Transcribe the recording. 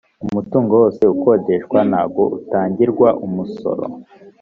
umutungo wose ukodeshwa ntago utangirwa umusoro